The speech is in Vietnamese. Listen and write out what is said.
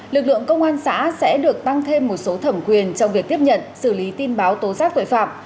lực lượng công an xã sẽ được tăng thêm một số thẩm quyền trong việc tiếp nhận xử lý tin báo tố giác tội phạm